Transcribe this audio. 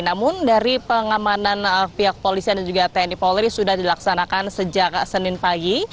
namun dari pengamanan pihak polisian dan juga tni polri sudah dilaksanakan sejak senin pagi